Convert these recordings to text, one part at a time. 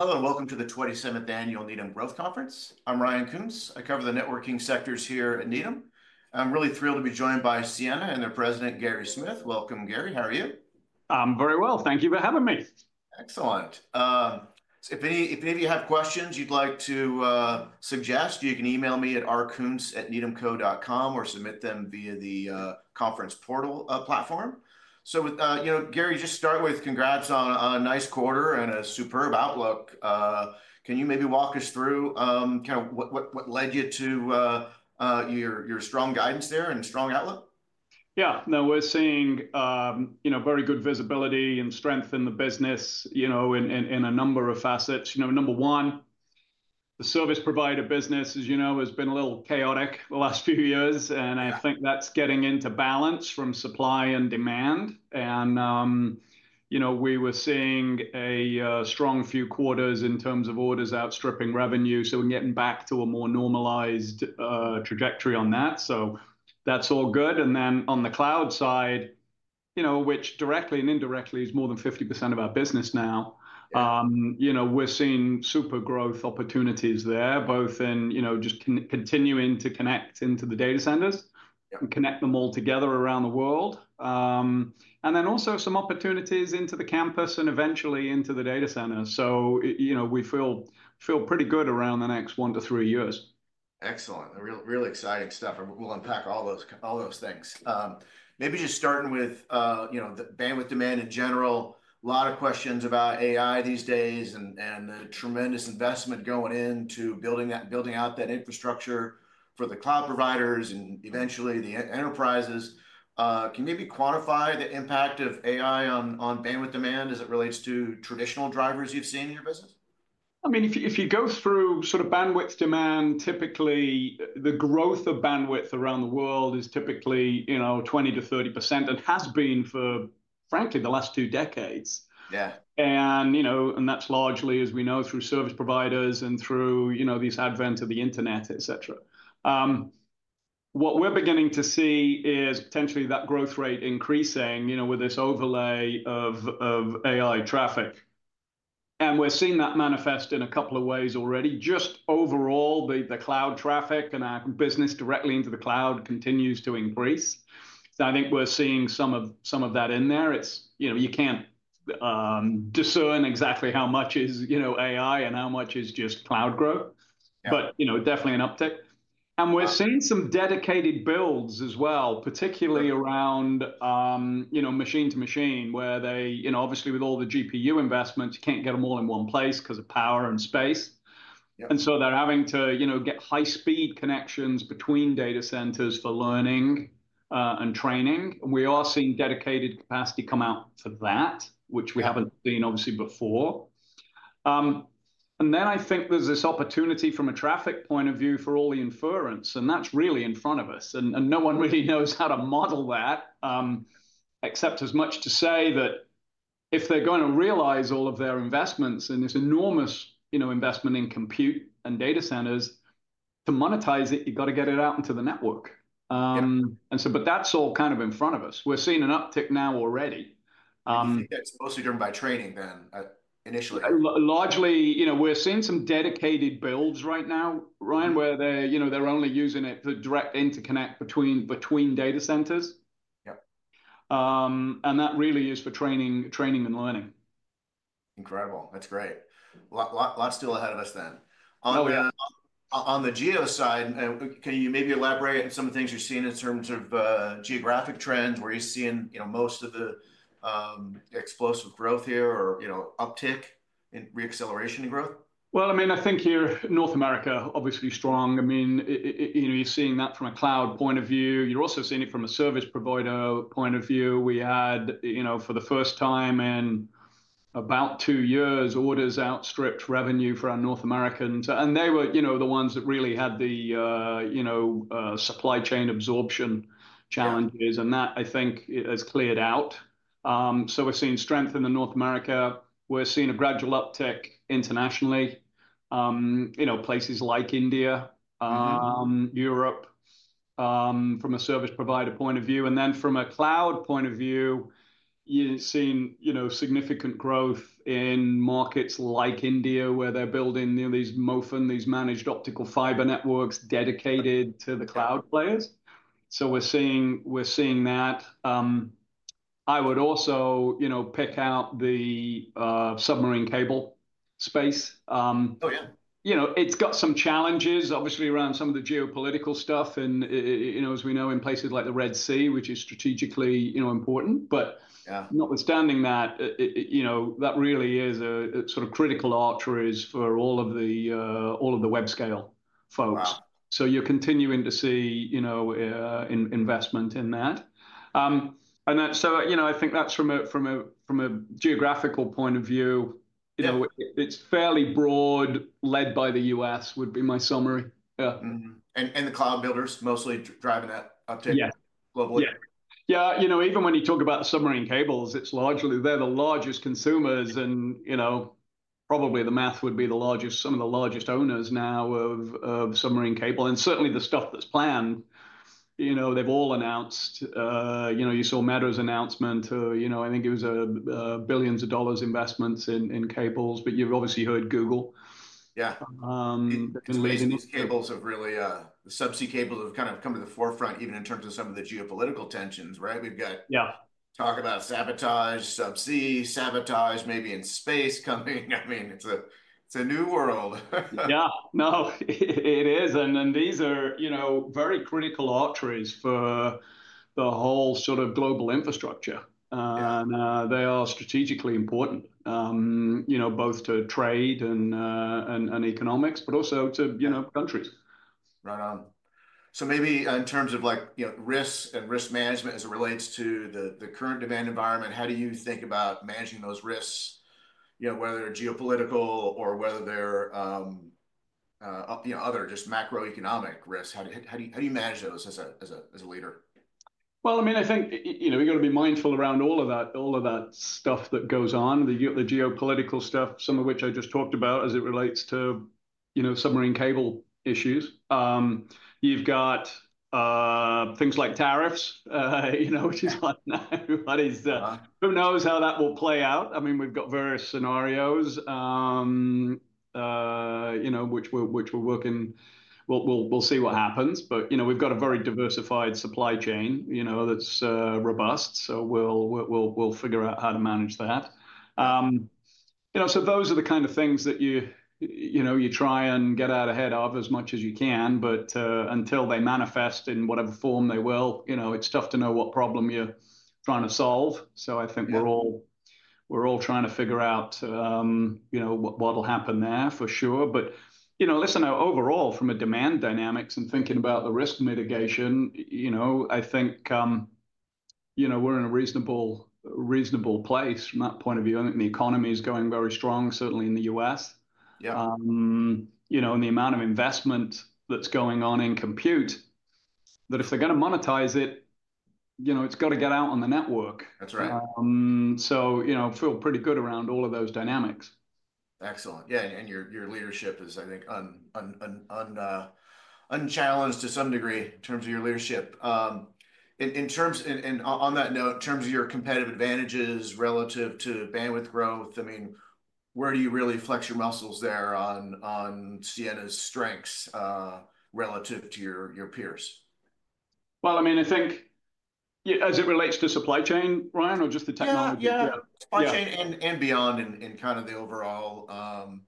Hello, and welcome to the 27th Annual Needham Growth Conference. I'm Ryan Koontz. I cover the networking sectors here at Needham. I'm really thrilled to be joined by Ciena and their president, Gary Smith. Welcome, Gary. How are you? I'm very well. Thank you for having me. Excellent. If any of you have questions you'd like to suggest, you can email me at rkoontz@needhamco.com or submit them via the conference portal platform. So, Gary, just start with congrats on a nice quarter and a superb outlook. Can you maybe walk us through kind of what led you to your strong guidance there and strong outlook? Yeah, no, we're seeing very good visibility and strength in the business, you know, in a number of facets. You know, number one, the service provider business, as you know, has been a little chaotic the last few years, and I think that's getting into balance from supply and demand, and, you know, we were seeing a strong few quarters in terms of orders outstripping revenue, so we're getting back to a more normalized trajectory on that, so that's all good, and then on the cloud side, you know, which directly and indirectly is more than 50% of our business now, you know, we're seeing super growth opportunities there, both in, you know, just continuing to connect into the data centers and connect them all together around the world, and then also some opportunities into the campus and eventually into the data centers. So, you know, we feel pretty good around the next one to three years. Excellent. Really exciting stuff. We'll unpack all those things. Maybe just starting with, you know, the bandwidth demand in general, a lot of questions about AI these days and the tremendous investment going into building out that infrastructure for the cloud providers and eventually the enterprises. Can you maybe quantify the impact of AI on bandwidth demand as it relates to traditional drivers you've seen in your business? I mean, if you go through sort of bandwidth demand, typically the growth of bandwidth around the world is typically, you know, 20%-30%. It has been for, frankly, the last two decades. Yeah, and you know, and that's largely, as we know, through service providers and through, you know, this advent of the internet, et cetera. What we're beginning to see is potentially that growth rate increasing, you know, with this overlay of AI traffic. And we're seeing that manifest in a couple of ways already. Just overall, the cloud traffic and our business directly into the cloud continues to increase. So I think we're seeing some of that in there. It's, you know, you can't discern exactly how much is, you know, AI and how much is just cloud growth, but, you know, definitely an uptick. We're seeing some dedicated builds as well, particularly around, you know, machine to machine, where they, you know, obviously with all the GPU investments, you can't get them all in one place because of power and space. So they're having to, you know, get high-speed connections between data centers for learning and training. We are seeing dedicated capacity come out for that, which we haven't seen, obviously, before. Then I think there's this opportunity from a traffic point of view for all the inference, and that's really in front of us. No one really knows how to model that, except as much to say that if they're going to realize all of their investments in this enormous, you know, investment in compute and data centers, to monetize it, you've got to get it out into the network. That's all kind of in front of us. We're seeing an uptick now already. It's mostly driven by training then, initially. Largely, you know, we're seeing some dedicated builds right now, Ryan, where they're, you know, they're only using it for direct interconnect between data centers. Yeah, and that really is for training and learning. Incredible. That's great. Lots still ahead of us then. On the geo side, can you maybe elaborate on some of the things you've seen in terms of geographic trends? Where are you seeing, you know, most of the explosive growth here or, you know, uptick and reacceleration in growth? I mean, I think your North America obviously strong. I mean, you know, you're seeing that from a cloud point of view. You're also seeing it from a service provider point of view. We had, you know, for the first time in about two years, orders outstripped revenue for our North Americans. And they were, you know, the ones that really had the, you know, supply chain absorption challenges. And that, I think, has cleared out. So we're seeing strength in the North America. We're seeing a gradual uptick internationally, you know, places like India, Europe, from a service provider point of view. And then from a cloud point of view, you're seeing, you know, significant growth in markets like India, where they're building, you know, these MOFN, these managed optical fiber networks dedicated to the cloud players. So we're seeing that. I would also, you know, pick out the submarine cable space. Oh, yeah. You know, it's got some challenges, obviously, around some of the geopolitical stuff, and you know, as we know, in places like the Red Sea, which is strategically, you know, important, but notwithstanding that, you know, that really is a sort of critical artery for all of the web scale folks, so you're continuing to see, you know, investment in that, and so you know, I think that's from a geographical point of view, you know, it's fairly broad, led by the U.S., would be my summary. The cloud builders mostly driving that uptick globally. Yeah. Yeah, you know, even when you talk about submarine cables, it's largely they're the largest consumers and, you know, probably Meta would be the largest, some of the largest owners now of submarine cable. And certainly the stuff that's planned, you know, they've all announced, you know, you saw Meta's announcement, you know, I think it was billions of dollars investments in cables, but you've obviously heard Google. Yeah. And these cables have really, the subsea cables have kind of come to the forefront, even in terms of some of the geopolitical tensions, right? We've got talk about sabotage, subsea sabotage, maybe in space coming. I mean, it's a new world. Yeah, no, it is, and these are, you know, very critical arteries for the whole sort of global infrastructure, and they are strategically important, you know, both to trade and economics, but also to, you know, countries. Right on. So maybe in terms of like, you know, risks and risk management as it relates to the current demand environment, how do you think about managing those risks, you know, whether geopolitical or whether they're, you know, other just macroeconomic risks? How do you manage those as a leader? I mean, I think, you know, we've got to be mindful around all of that stuff that goes on, the geopolitical stuff, some of which I just talked about as it relates to, you know, submarine cable issues. You've got things like tariffs, you know, which is like now, who knows how that will play out? I mean, we've got various scenarios, you know, which we're working, we'll see what happens. You know, we've got a very diversified supply chain, you know, that's robust. We'll figure out how to manage that. You know, so those are the kind of things that you know, you try and get out ahead of as much as you can, but until they manifest in whatever form they will, you know, it's tough to know what problem you're trying to solve. So I think we're all trying to figure out, you know, what'll happen there for sure. But, you know, listen, overall, from a demand dynamics and thinking about the risk mitigation, you know, I think, you know, we're in a reasonable place from that point of view. I think the economy is going very strong, certainly in the U.S. You know, and the amount of investment that's going on in compute, that if they're going to monetize it, you know, it's got to get out on the network. That's right. So, you know, feel pretty good around all of those dynamics. Excellent. Yeah. And your leadership is, I think, unchallenged to some degree in terms of your leadership. And on that note, in terms of your competitive advantages relative to bandwidth growth, I mean, where do you really flex your muscles there on Ciena's strengths relative to your peers? Well, I mean, I think as it relates to supply chain, Ryan, or just the technology? Yeah, supply chain and beyond in kind of the overall,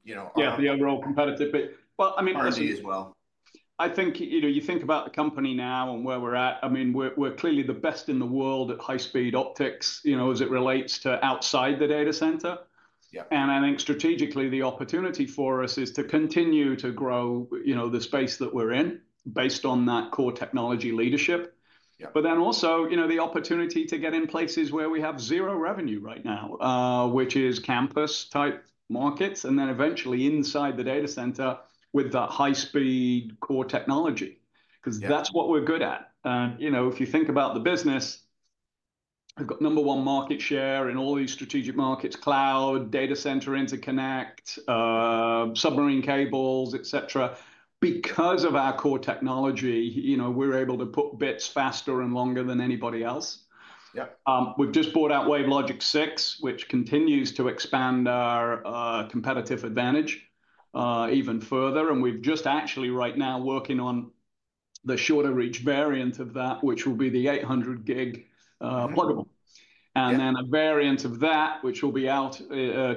you know. Yeah, the overall competitive, but, well, I mean. R&D as well. I think, you know, you think about the company now and where we're at. I mean, we're clearly the best in the world at high-speed optics, you know, as it relates to outside the data center. I think strategically the opportunity for us is to continue to grow, you know, the space that we're in based on that core technology leadership. But then also, you know, the opportunity to get in places where we have zero revenue right now, which is campus-type markets, and then eventually inside the data center with the high-speed core technology, because that's what we're good at. And, you know, if you think about the business, we've got number one market share in all these strategic markets, cloud, data center interconnect, submarine cables, et cetera. Because of our core technology, you know, we're able to put bits faster and longer than anybody else. We've just brought out WaveLogic 6, which continues to expand our competitive advantage even further. And we've just actually right now working on the shorter reach variant of that, which will be the 800 gig pluggable. And then a variant of that, which will be out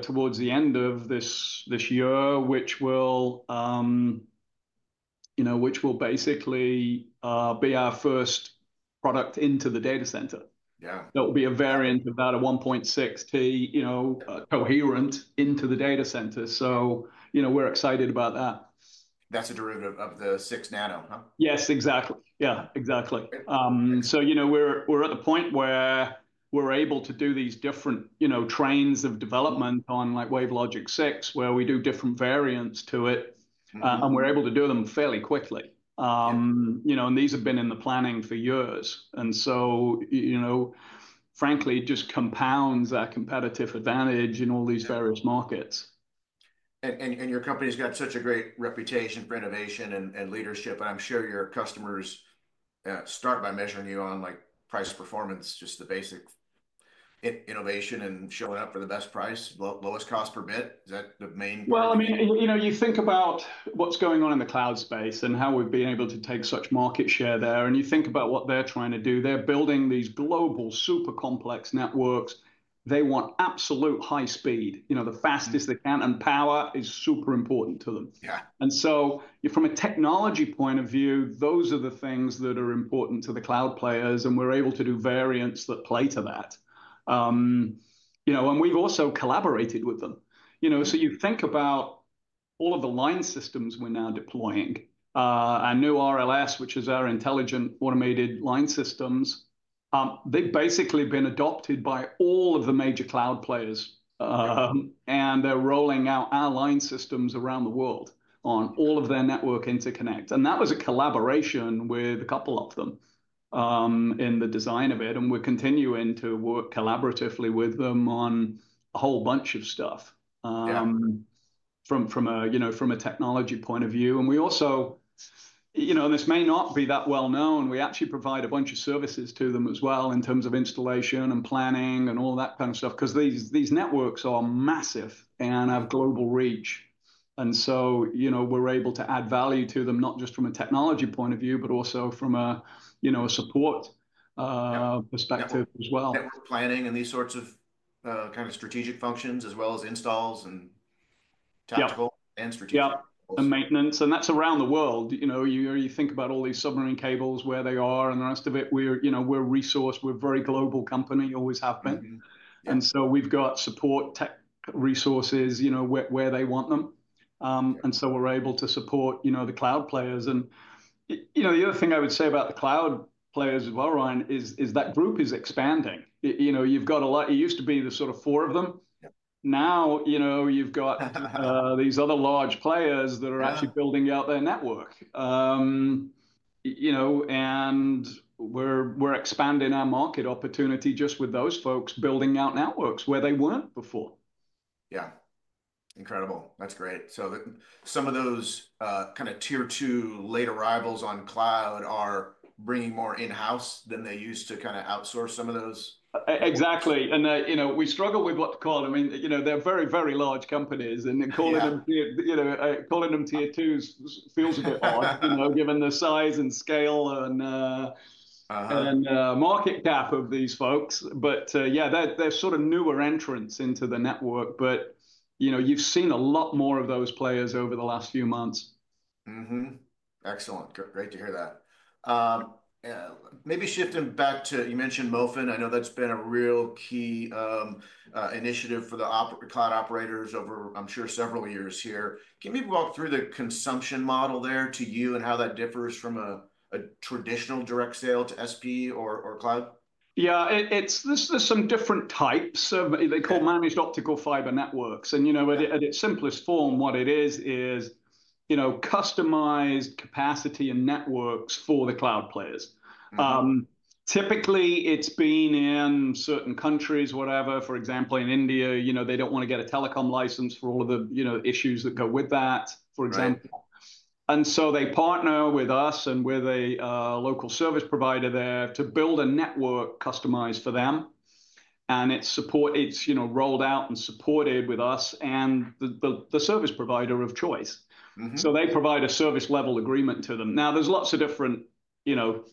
towards the end of this year, which will, you know, which will basically be our first product into the data center. That will be a variant of that at 1.6T, you know, coherent into the data center. So, you know, we're excited about that. That's a derivative of the 6 Nano, huh? Yes, exactly. Yeah, exactly, so you know, we're at the point where we're able to do these different, you know, trains of development on like WaveLogic 6, where we do different variants to it, and we're able to do them fairly quickly. You know, and these have been in the planning for years, and so you know, frankly, it just compounds our competitive advantage in all these various markets. Your company's got such a great reputation for innovation and leadership, and I'm sure your customers start by measuring you on like price performance, just the basic innovation and showing up for the best price, lowest cost per bit. Is that the main? I mean, you know, you think about what's going on in the cloud space and how we've been able to take such market share there, and you think about what they're trying to do. They're building these global super complex networks. They want absolute high speed, you know, the fastest they can, and power is super important to them. And so, from a technology point of view, those are the things that are important to the cloud players, and we're able to do variants that play to that. You know, and we've also collaborated with them. You know, so you think about all of the line systems we're now deploying. Our new RLS, which is our intelligent automated line systems, they've basically been adopted by all of the major cloud players, and they're rolling out our line systems around the world on all of their network interconnect. And that was a collaboration with a couple of them in the design of it, and we're continuing to work collaboratively with them on a whole bunch of stuff from a, you know, from a technology point of view. And we also, you know, and this may not be that well known, we actually provide a bunch of services to them as well in terms of installation and planning and all that kind of stuff, because these networks are massive and have global reach. And so, you know, we're able to add value to them, not just from a technology point of view, but also from a, you know, a support perspective as well. Planning any sorts of kind of strategic functions, as well as installs and tactical and strategic? Yeah, and maintenance, and that's around the world. You know, you think about all these submarine cables, where they are and the rest of it. We're, you know, we're resourced. We're a very global company, always have been. We've got support tech resources, you know, where they want them. We're able to support, you know, the cloud players. The other thing I would say about the cloud players as well, Ryan, is that group is expanding. You know, you've got a lot. It used to be the sort of four of them. Now, you know, you've got these other large players that are actually building out their network. We're expanding our market opportunity just with those folks building out networks where they weren't before. Yeah. Incredible. That's great, so some of those kind of tier two late arrivals on cloud are bringing more in-house than they used to kind of outsource some of those. Exactly, and you know, we struggle with what they're called. I mean, you know, they're very, very large companies, and calling them, you know, calling them tier twos feels a bit odd, you know, given the size and scale and market cap of these folks, but yeah, they're sort of newer entrants into the network, but you know, you've seen a lot more of those players over the last few months. Excellent. Great to hear that. Maybe shifting back to, you mentioned MOFN. I know that's been a real key initiative for the cloud operators over, I'm sure, several years here. Can you walk through the consumption model there to you and how that differs from a traditional direct sale to SP or cloud? Yeah, it's some different types of. They call managed optical fiber networks. And, you know, at its simplest form, what it is, is, you know, customized capacity and networks for the cloud players. Typically, it's been in certain countries, whatever, for example, in India, you know, they don't want to get a telecom license for all of the, you know, issues that go with that, for example. And so they partner with us and with a local service provider there to build a network customized for them. And it's, you know, rolled out and supported with us and the service provider of choice. So they provide a service level agreement to them. Now, there's lots of different, you know,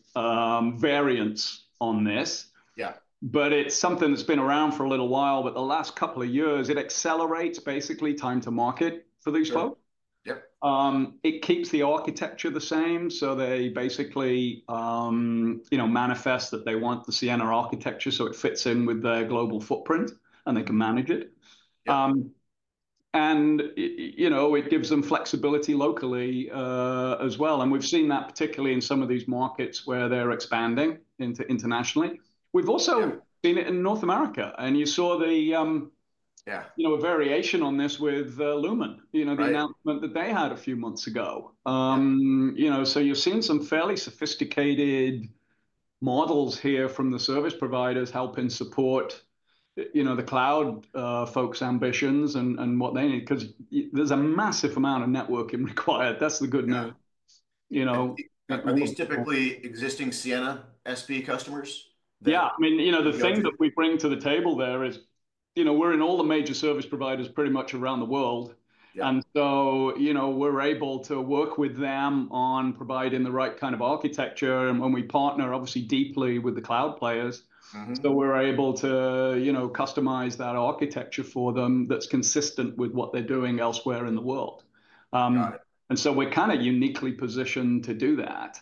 variants on this. Yeah, but it's something that's been around for a little while, but the last couple of years, it accelerates basically time to market for these folks. It keeps the architecture the same. So they basically, you know, manifest that they want the Ciena architecture so it fits in with their global footprint and they can manage it. And, you know, it gives them flexibility locally as well. And we've seen that particularly in some of these markets where they're expanding internationally. We've also seen it in North America. And you saw the, you know, a variation on this with Lumen, you know, the announcement that they had a few months ago. You know, so you've seen some fairly sophisticated models here from the service providers helping support, you know, the cloud folks' ambitions and what they need, because there's a massive amount of networking required. That's the good news. You know. And these typically existing Ciena SP customers? Yeah, I mean, you know, the thing that we bring to the table there is, you know, we're in all the major service providers pretty much around the world. And so, you know, we're able to work with them on providing the right kind of architecture. And when we partner, obviously deeply with the cloud players, so we're able to, you know, customize that architecture for them that's consistent with what they're doing elsewhere in the world. And so we're kind of uniquely positioned to do that,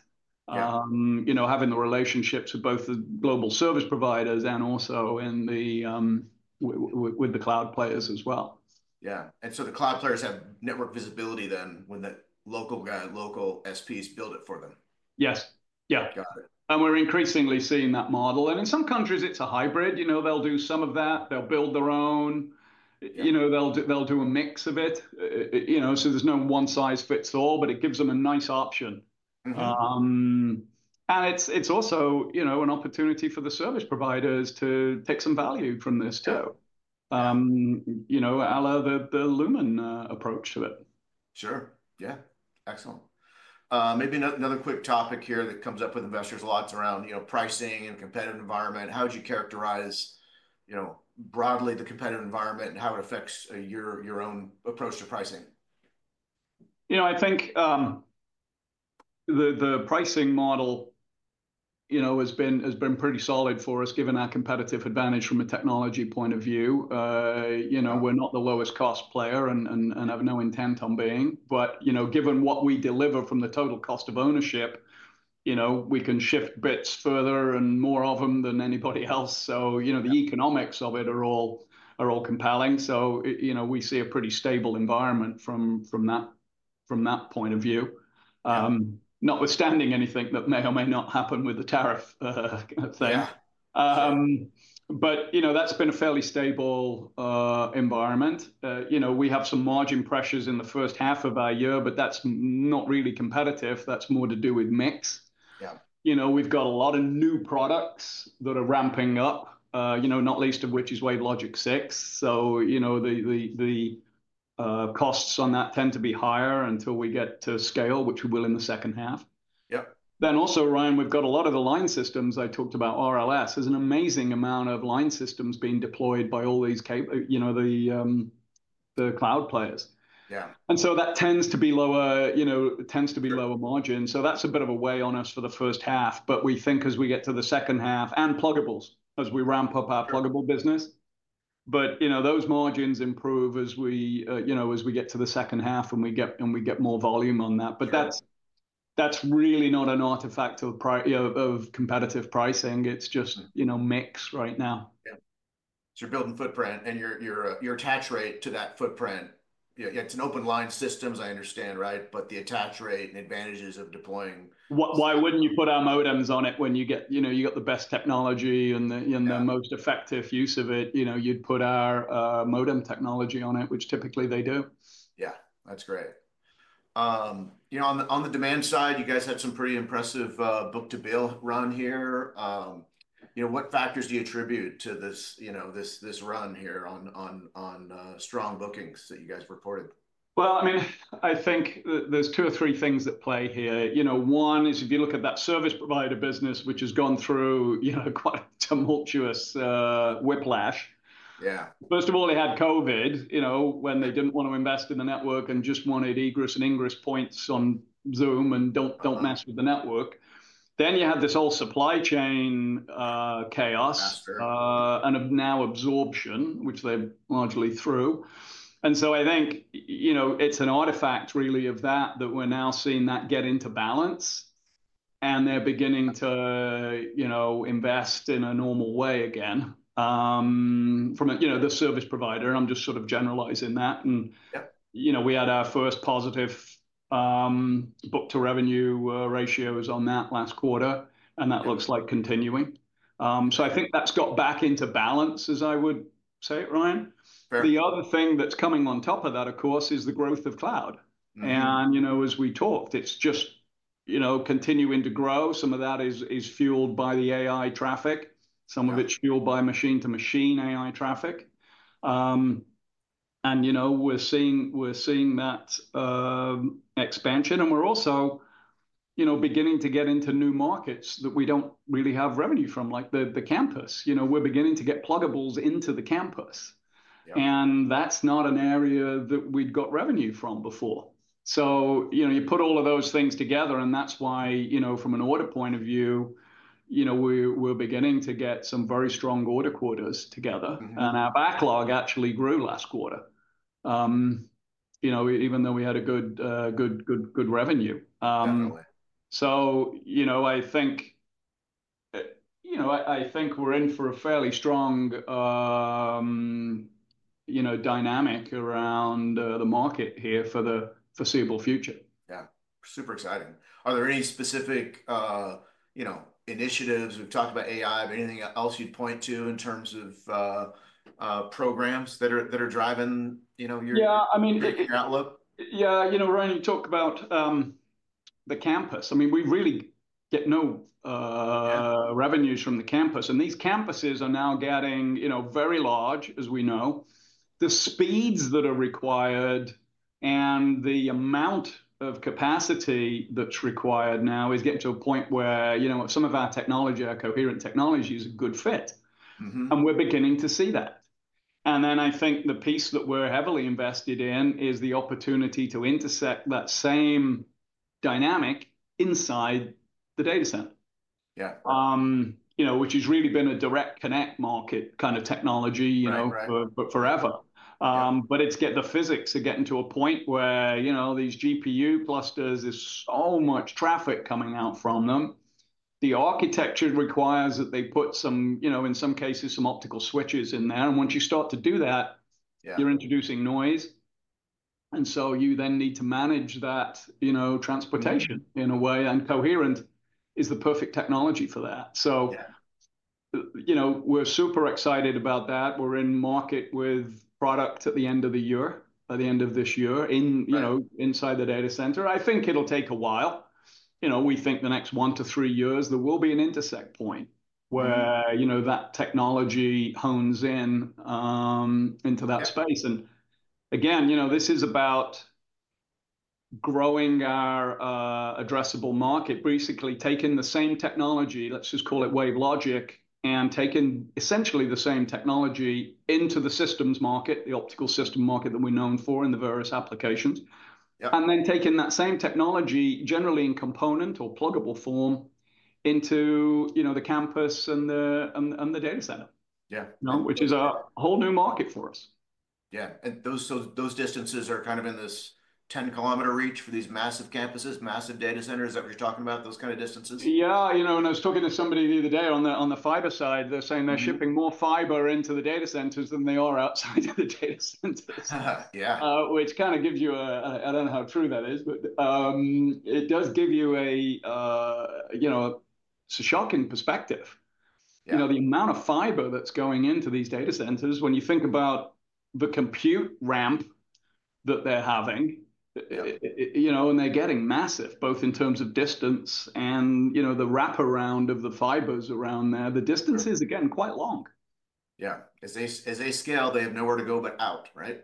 you know, having the relationships with both the global service providers and also with the cloud players as well. Yeah. And so the cloud players have network visibility then when the local SPs build it for them. Yes. Yeah, and we're increasingly seeing that model, and in some countries, it's a hybrid. You know, they'll do some of that. They'll build their own. You know, they'll do a mix of it, you know, so there's no one size fits all, but it gives them a nice option, and it's also, you know, an opportunity for the service providers to take some value from this too, you know, a la the Lumen approach to it. Sure. Yeah. Excellent. Maybe another quick topic here that comes up with investors a lot is around, you know, pricing and competitive environment. How would you characterize, you know, broadly the competitive environment and how it affects your own approach to pricing? You know, I think the pricing model, you know, has been pretty solid for us given our competitive advantage from a technology point of view. You know, we're not the lowest cost player and have no intent on being. But, you know, given what we deliver from the total cost of ownership, you know, we can shift bits further and more of them than anybody else. So, you know, the economics of it are all compelling. So, you know, we see a pretty stable environment from that point of view, notwithstanding anything that may or may not happen with the tariff thing. But, you know, that's been a fairly stable environment. You know, we have some margin pressures in the first half of our year, but that's not really competitive. That's more to do with mix. You know, we've got a lot of new products that are ramping up, you know, not least of which is WaveLogic 6. So, you know, the costs on that tend to be higher until we get to scale, which we will in the second half. Then also, Ryan, we've got a lot of the line systems I talked about, RLS. There's an amazing amount of line systems being deployed by all these, you know, the cloud players. Yeah. And so that tends to be lower, you know, tends to be lower margin. So that's a bit of a weight on us for the first half. But we think as we get to the second half and pluggables, as we ramp up our pluggable business. But, you know, those margins improve as we, you know, as we get to the second half and we get more volume on that. But that's really not an artifact of competitive pricing. It's just, you know, mix right now. So you're building footprint and your attach rate to that footprint. It's an open line systems, I understand, right? But the attach rate and advantages of deploying. Why wouldn't you put our modems on it when you get, you know, you got the best technology and the most effective use of it? You know, you'd put our modem technology on it, which typically they do. Yeah. That's great. You know, on the demand side, you guys had some pretty impressive book to bill run here. You know, what factors do you attribute to this, you know, this run here on strong bookings that you guys reported? I mean, I think there's two or three things that play here. You know, one is if you look at that service provider business, which has gone through, you know, quite a tumultuous whiplash. Yeah. First of all, they had COVID, you know, when they didn't want to invest in the network and just wanted egress and ingress points on Zoom and don't mess with the network. Then you had this whole supply chain chaos and now absorption, which they're largely through. And so I think, you know, it's an artifact really of that that we're now seeing that get into balance. And they're beginning to, you know, invest in a normal way again from a, you know, the service provider. And I'm just sort of generalizing that. And, you know, we had our first positive book to revenue ratios on that last quarter. And that looks like continuing. So I think that's got back into balance, as I would say it, Ryan. The other thing that's coming on top of that, of course, is the growth of cloud. And, you know, as we talked, it's just, you know, continuing to grow. Some of that is fueled by the AI traffic. Some of it's fueled by machine to machine AI traffic. And, you know, we're seeing that expansion. And we're also, you know, beginning to get into new markets that we don't really have revenue from, like the campus. You know, we're beginning to get pluggables into the campus. And that's not an area that we'd got revenue from before. So, you know, you put all of those things together. And that's why, you know, from an order point of view, you know, we're beginning to get some very strong order quotas together. Our backlog actually grew last quarter, you know, even though we had a good, good, good revenue. So, you know, I think, you know, I think we're in for a fairly strong, you know, dynamic around the market here for the foreseeable future. Yeah. Super exciting. Are there any specific, you know, initiatives? We've talked about AI. But anything else you'd point to in terms of programs that are driving, you know, your outlook? Yeah. I mean, yeah, you know, Ryan, you talked about the campus. I mean, we really get no revenues from the campus. And these campuses are now getting, you know, very large, as we know. The speeds that are required and the amount of capacity that's required now is getting to a point where, you know, some of our technology, our coherent technology is a good fit. And we're beginning to see that. And then I think the piece that we're heavily invested in is the opportunity to intersect that same dynamic inside the data center, you know, which has really been a direct connect market kind of technology, you know, forever. But it's get the physics to get into a point where, you know, these GPU clusters is so much traffic coming out from them. The architecture requires that they put some, you know, in some cases, some optical switches in there, and once you start to do that, you're introducing noise, and so you then need to manage that, you know, transportation in a way, and coherent is the perfect technology for that, so, you know, we're super excited about that. We're in market with product at the end of the year, at the end of this year in, you know, inside the data center. I think it'll take a while. You know, we think the next one to three years, there will be an intersect point where, you know, that technology hones in into that space. And again, you know, this is about growing our addressable market, basically taking the same technology, let's just call it WaveLogic, and taking essentially the same technology into the systems market, the optical system market that we're known for in the various applications. And then taking that same technology generally in component or pluggable form into, you know, the campus and the data center, which is a whole new market for us. Yeah. And those distances are kind of in this 10 km reach for these massive campuses, massive data centers, that you're talking about, those kind of distances? Yeah. You know, when I was talking to somebody the other day on the fiber side, they're saying they're shipping more fiber into the data centers than they are outside of the data centers, which kind of gives you, I don't know how true that is, but it does give you a, you know, it's a shocking perspective. You know, the amount of fiber that's going into these data centers, when you think about the compute ramp that they're having, you know, and they're getting massive, both in terms of distance and, you know, the wrap around of the fibers around there, the distance is, again, quite long. Yeah. As they scale, they have nowhere to go but out, right?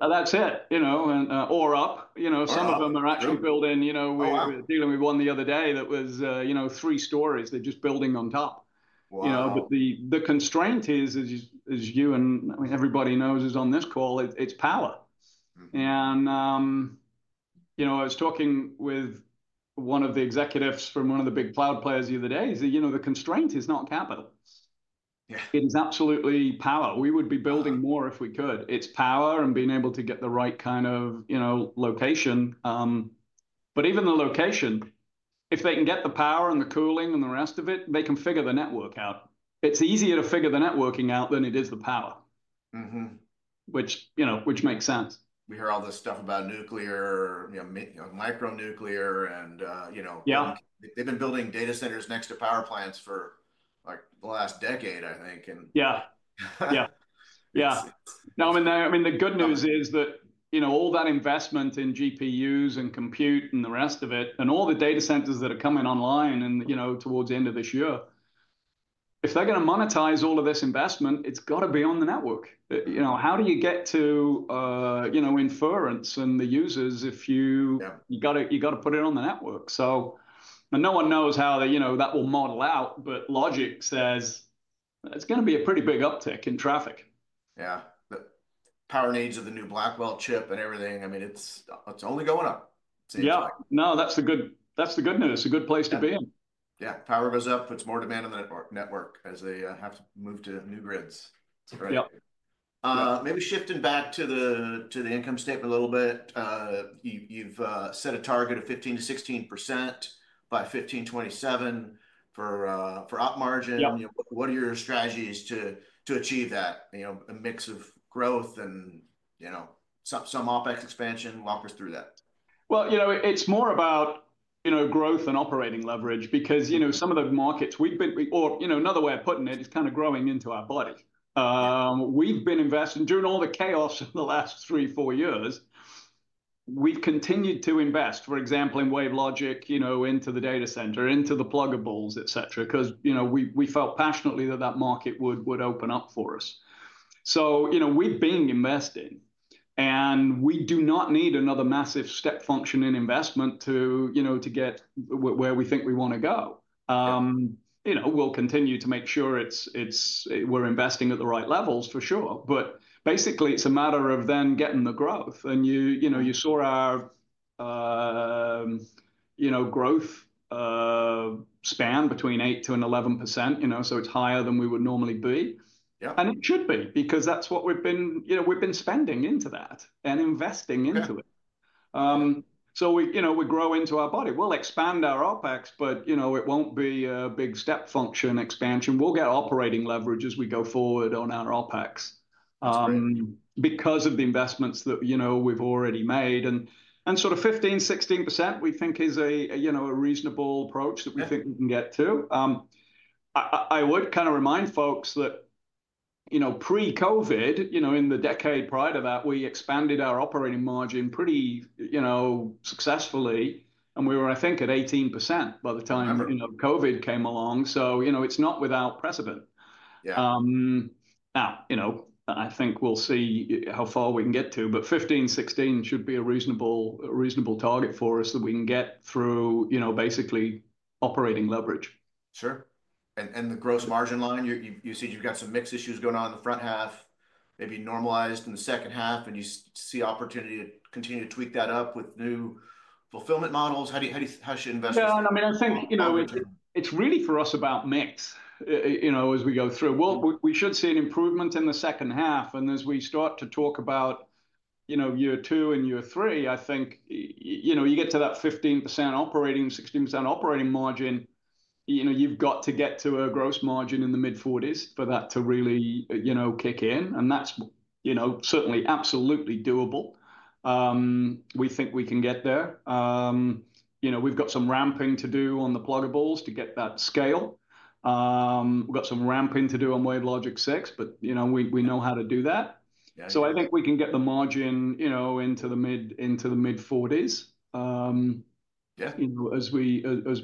That's it, you know, or up, you know. Some of them are actually building, you know. We were dealing with one the other day that was, you know, three stories. They're just building on top, you know. But the constraint is, as you and everybody knows, is on this call, it's power. And, you know, I was talking with one of the executives from one of the big cloud players the other day. He said, you know, the constraint is not capital. It is absolutely power. We would be building more if we could. It's power and being able to get the right kind of, you know, location. But even the location, if they can get the power and the cooling and the rest of it, they can figure the network out. It's easier to figure the networking out than it is the power, which, you know, which makes sense. We hear all this stuff about nuclear, you know, micronuclear and, you know, they've been building data centers next to power plants for like the last decade, I think. Yeah. Yeah. Yeah. No, I mean, the good news is that, you know, all that investment in GPUs and compute and the rest of it and all the data centers that are coming online and, you know, towards the end of this year, if they're going to monetize all of this investment, it's got to be on the network. You know, how do you get to, you know, inference and the users if you got to put it on the network? So no one knows how, you know, that will model out. But logic says it's going to be a pretty big uptick in traffic. Yeah. The power needs of the new Blackwell chip and everything. I mean, it's only going up. Yeah. No, that's the good news. It's a good place to be in. Yeah. Power goes up, puts more demand on the network as they have to move to new grids. Right. Maybe shifting back to the income statement a little bit. You've set a target of 15%-16% by 2027 for gross margin. What are your strategies to achieve that, you know, a mix of growth and, you know, some OPEX expansion? Walk us through that. You know, it's more about, you know, growth and operating leverage because, you know, some of the markets we've been, or, you know, another way of putting it is kind of growing into our body. We've been investing during all the chaos in the last three, four years. We've continued to invest, for example, in WaveLogic, you know, into the data center, into the pluggables, et cetera, because, you know, we felt passionately that that market would open up for us. You know, we've been investing and we do not need another massive step function in investment to, you know, to get where we think we want to go. You know, we'll continue to make sure we're investing at the right levels for sure. Basically, it's a matter of then getting the growth. You know, you saw our growth span between 8%-11%, you know, so it's higher than we would normally be. It should be because that's what we've been, you know, we've been spending into that and investing into it. So, you know, we grow into our body. We'll expand our OpEx, but, you know, it won't be a big step function expansion. We'll get operating leverage as we go forward on our OpEx because of the investments that, you know, we've already made. Sort of 15%-16% we think is a reasonable approach that we think we can get to. I would kind of remind folks that, you know, pre-COVID, you know, in the decade prior to that, we expanded our operating margin pretty, you know, successfully. We were, I think, at 18% by the time, you know, COVID came along. So, you know, it's not without precedent. Now, you know, I think we'll see how far we can get to, but 15-16 should be a reasonable target for us that we can get through, you know, basically operating leverage. Sure. And the gross margin line, you said you've got some mix issues going on in the front half, maybe normalized in the second half, and you see opportunity to continue to tweak that up with new fulfillment models. How should you invest? Yeah. And I mean, I think, you know, it's really for us about mix, you know, as we go through. We should see an improvement in the second half. And as we start to talk about, you know, year two and year three, I think, you know, you get to that 15% operating, 16% operating margin, you know, you've got to get to a gross margin in the mid-40s% for that to really, you know, kick in. And that's, you know, certainly absolutely doable. We think we can get there. You know, we've got some ramping to do on the pluggables to get that scale. We've got some ramping to do on WaveLogic 6, but, you know, we know how to do that. So I think we can get the margin, you know, into the mid-40s%, you know, as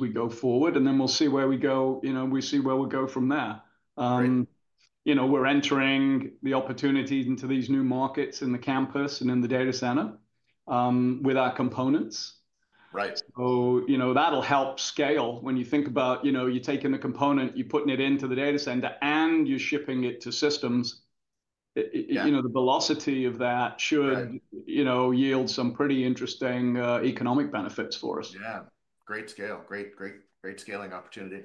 we go forward. And then we'll see where we go, you know, we see where we go from there. You know, we're entering the opportunities into these new markets in the campus and in the data center with our components. So, you know, that'll help scale when you think about, you know, you're taking the component, you're putting it into the data center and you're shipping it to systems. You know, the velocity of that should, you know, yield some pretty interesting economic benefits for us. Yeah. Great scale. Great, great, great scaling opportunity.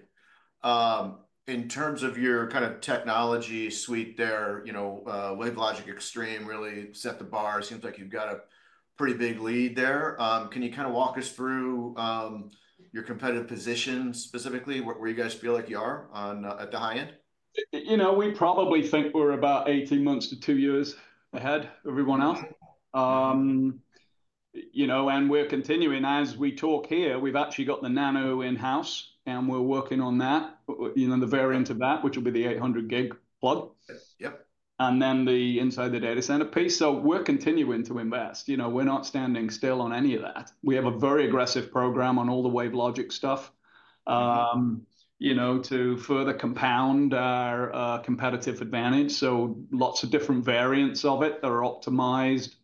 In terms of your kind of technology suite there, you know, WaveLogic Extreme really set the bar. Seems like you've got a pretty big lead there. Can you kind of walk us through your competitive position specifically? Where you guys feel like you are at the high end? You know, we probably think we're about 18 months to two years ahead of everyone else, you know, and we're continuing. As we talk here, we've actually got the nano in-house and we're working on that, you know, the variant of that, which will be the 800 gig plug. And then the inside the data center piece. So we're continuing to invest. You know, we're not standing still on any of that. We have a very aggressive program on all the WaveLogic stuff, you know, to further compound our competitive advantage. So lots of different variants of it that are optimized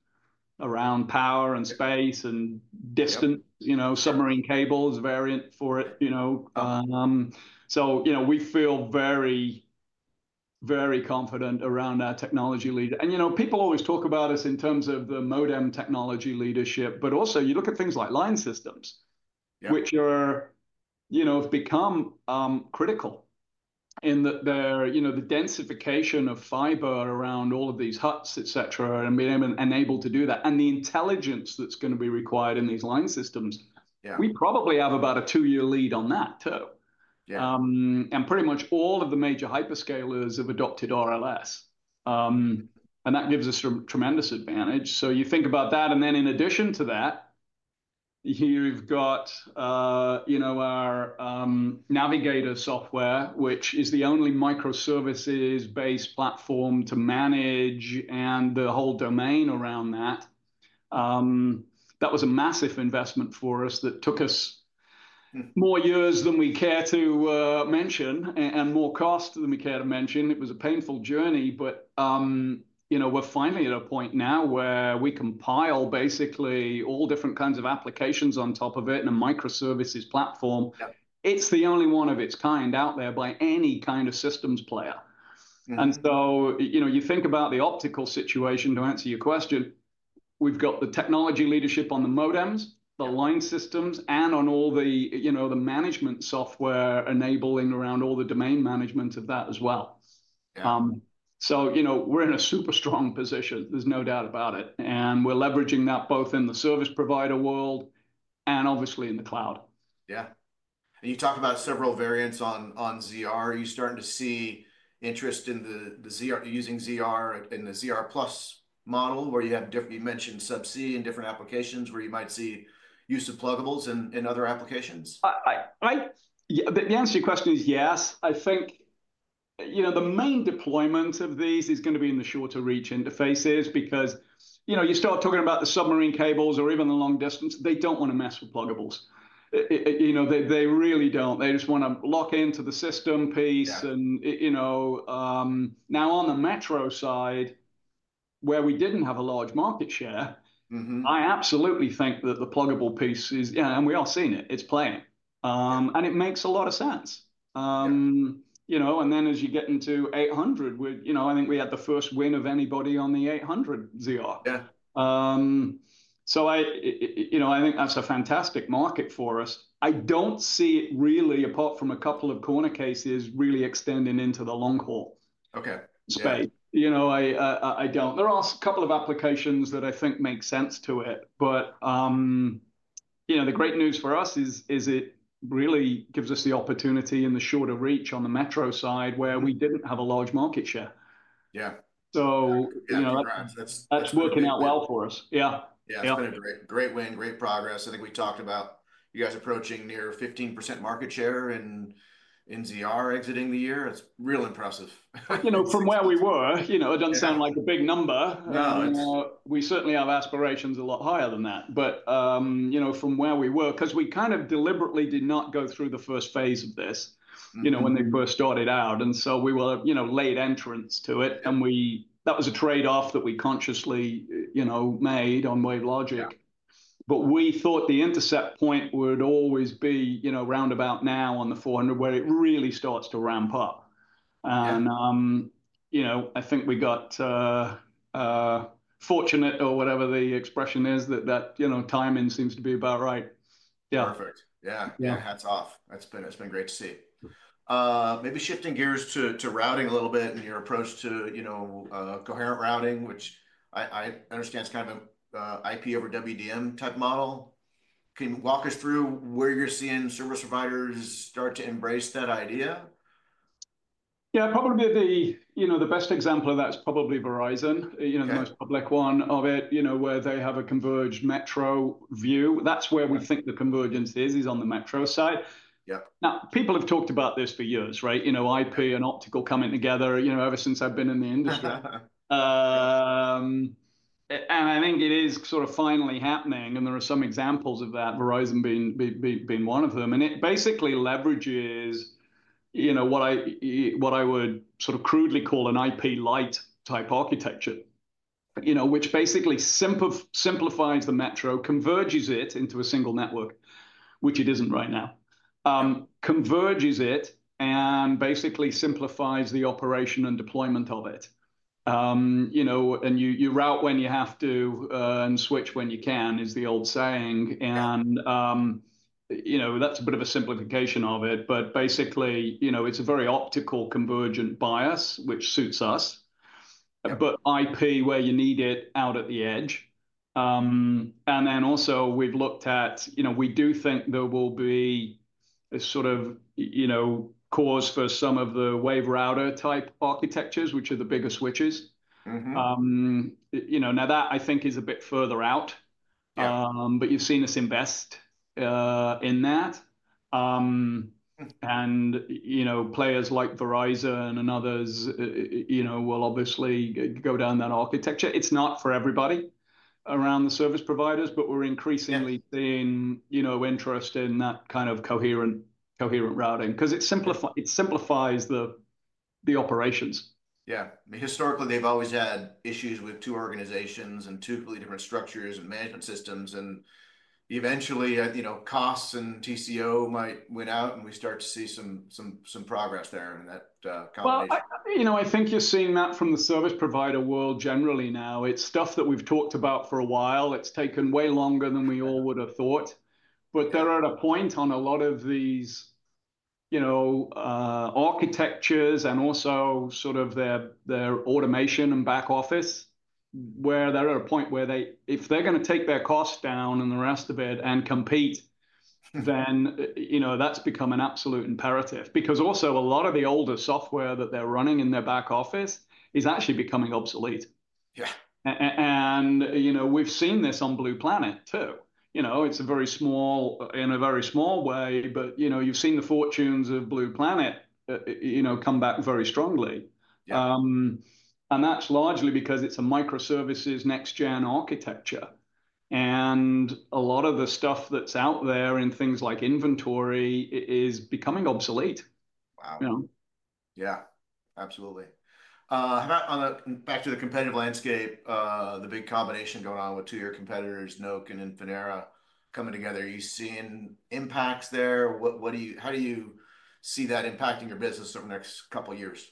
around power and space and distance, you know, submarine cables variant for it, you know. So, you know, we feel very, very confident around our technology leader. And, you know, people always talk about us in terms of the modem technology leadership, but also you look at things like line systems, which are, you know, have become critical in that they're, you know, the densification of fiber around all of these huts, et cetera, and being able to do that. And the intelligence that's going to be required in these line systems, we probably have about a two-year lead on that too. And pretty much all of the major hyperscalers have adopted RLS. And that gives us a tremendous advantage. So you think about that. And then in addition to that, you've got, you know, our Navigator software, which is the only microservices-based platform to manage and the whole domain around that. That was a massive investment for us that took us more years than we care to mention and more cost than we care to mention. It was a painful journey, but, you know, we're finally at a point now where we compile basically all different kinds of applications on top of it and a microservices platform. It's the only one of its kind out there by any kind of systems player, and so, you know, you think about the optical situation to answer your question. We've got the technology leadership on the modems, the line systems, and on all the, you know, the management software enabling around all the domain management of that as well, so, you know, we're in a super strong position. There's no doubt about it, and we're leveraging that both in the service provider world and obviously in the cloud. Yeah, and you talked about several variants on ZR. Are you starting to see interest in using ZR in the ZR Plus model where you mentioned subsea and different applications where you might see use of pluggables in other applications? The answer to your question is yes. I think, you know, the main deployment of these is going to be in the shorter reach interfaces because, you know, you start talking about the submarine cables or even the long distance, they don't want to mess with pluggables. You know, they really don't. They just want to lock into the system piece, and, you know, now on the Metro side, where we didn't have a large market share, I absolutely think that the pluggable piece is, and we are seeing it, it's playing, and it makes a lot of sense. You know, and then as you get into 800, you know, I think we had the first win of anybody on the 800ZR. Yeah, so, you know, I think that's a fantastic market for us. I don't see it really, apart from a couple of corner cases, really extending into the long haul space. You know, I don't. There are a couple of applications that I think make sense to it, but you know, the great news for us is it really gives us the opportunity in the shorter reach on the Metro side where we didn't have a large market share. Yeah, so you know, that's working out well for us. Yeah. Yeah. It's been a great win, great progress. I think we talked about you guys approaching near 15% market share in ZR exiting the year. It's real impressive. You know, from where we were, you know, it doesn't sound like a big number. We certainly have aspirations a lot higher than that. But, you know, from where we were, because we kind of deliberately did not go through the first phase of this, you know, when they first started out. And so we were, you know, late entrants to it. And that was a trade-off that we consciously, you know, made on WaveLogic. But we thought the intercept point would always be, you know, round about now on the 400 where it really starts to ramp up. And, you know, I think we got fortunate or whatever the expression is that that, you know, timing seems to be about right. Yeah. Perfect. Yeah. Yeah. Hats off. That's been great to see. Maybe shifting gears to routing a little bit and your approach to, you know, coherent routing, which I understand it's kind of an IP over WDM type model. Can you walk us through where you're seeing service providers start to embrace that idea? Yeah. Probably the, you know, the best example of that is probably Verizon, you know, the most public one of it, you know, where they have a converged Metro view. That's where we think the convergence is on the Metro side. Now, people have talked about this for years, right? You know, IP and optical coming together, you know, ever since I've been in the industry. And I think it is sort of finally happening. And there are some examples of that, Verizon being one of them. And it basically leverages, you know, what I would sort of crudely call an IP light type architecture, you know, which basically simplifies the Metro, converges it into a single network, which it isn't right now, converges it and basically simplifies the operation and deployment of it. You know, and you route when you have to and switch when you can is the old saying. And, you know, that's a bit of a simplification of it. But basically, you know, it's a very optical convergent bias, which suits us. But IP where you need it out at the edge. And then also we've looked at, you know, we do think there will be a sort of, you know, cause for some of the WaveRouter type architectures, which are the bigger switches. You know, now that I think is a bit further out. But you've seen us invest in that. And, you know, players like Verizon and others, you know, will obviously go down that architecture. It's not for everybody around the service providers, but we're increasingly seeing, you know, interest in that kind of coherent routing because it simplifies the operations. Yeah. Historically, they've always had issues with two organizations and two completely different structures and management systems, and eventually, you know, costs and TCO might win out and we start to see some progress there in that combination. You know, I think you're seeing that from the service provider world generally now. It's stuff that we've talked about for a while. It's taken way longer than we all would have thought. But they're at a point on a lot of these, you know, architectures and also sort of their automation and back office where they're at a point where they, if they're going to take their costs down and the rest of it and compete, then, you know, that's become an absolute imperative because also a lot of the older software that they're running in their back office is actually becoming obsolete. Yeah. You know, we've seen this on Blue Planet too. You know, it's a very small, in a very small way, but, you know, you've seen the fortunes of Blue Planet, you know, come back very strongly. That's largely because it's a microservices next-gen architecture. A lot of the stuff that's out there in things like inventory is becoming obsolete. Wow. Yeah. Absolutely. Back to the competitive landscape, the big combination going on with two major competitors, Nokia and Infinera coming together. Are you seeing impacts there? How do you see that impacting your business over the next couple of years?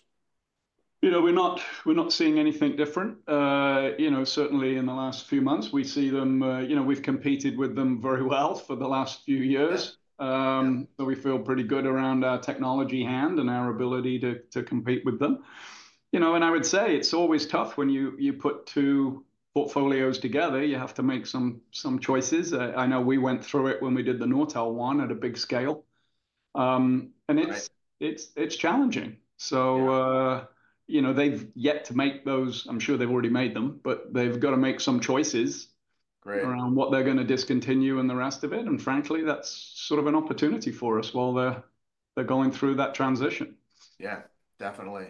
You know, we're not seeing anything different. You know, certainly in the last few months, we see them, you know, we've competed with them very well for the last few years. So we feel pretty good around our technology hand and our ability to compete with them. You know, and I would say it's always tough when you put two portfolios together. You have to make some choices. I know we went through it when we did the Nortel one at a big scale. And it's challenging. So, you know, they've yet to make those, I'm sure they've already made them, but they've got to make some choices around what they're going to discontinue and the rest of it. And frankly, that's sort of an opportunity for us while they're going through that transition. Yeah. Definitely.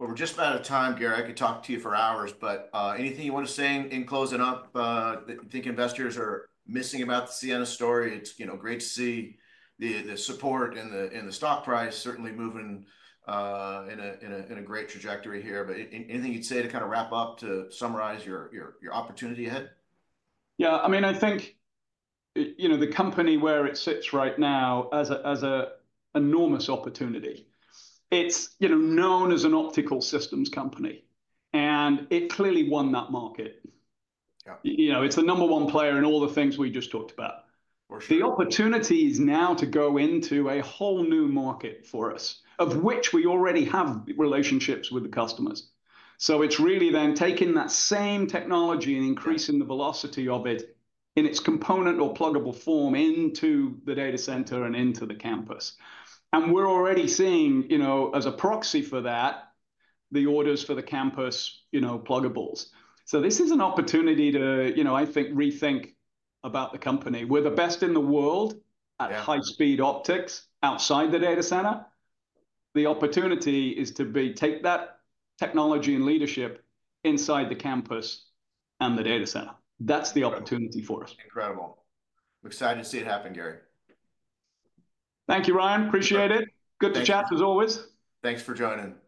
Well, we're just about out of time, Gary. I could talk to you for hours, but anything you want to say in closing up that you think investors are missing about the Ciena story? It's, you know, great to see the support in the stock price certainly moving in a great trajectory here. But anything you'd say to kind of wrap up to summarize your opportunity ahead? Yeah. I mean, I think, you know, the company where it sits right now as an enormous opportunity. It's, you know, known as an optical systems company. And it clearly won that market. You know, it's the number one player in all the things we just talked about. The opportunity is now to go into a whole new market for us, of which we already have relationships with the customers. So it's really then taking that same technology and increasing the velocity of it in its component or pluggable form into the data center and into the campus. And we're already seeing, you know, as a proxy for that, the orders for the campus, you know, pluggables. So this is an opportunity to, you know, I think rethink about the company. We're the best in the world at high-speed optics outside the data center. The opportunity is to take that technology and leadership inside the campus and the data center. That's the opportunity for us. Incredible. I'm excited to see it happen, Gary. Thank you, Ryan. Appreciate it. Good to chat as always. Thanks for joining. Thanks.